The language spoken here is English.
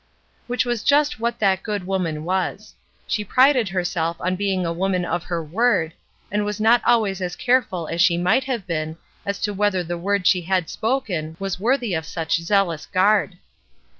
Which was just what that good woman was. She prided herself on being a woman of her word, and was not always as careful as she might have been as to whether the word she had spoken was worthy of such zealous guard.